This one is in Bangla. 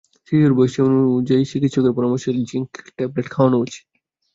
শিশুর বয়স অনুযায়ী চিকিৎসকের পরামর্শে জিংক ট্যাবলেট খাওয়ানো উচিত।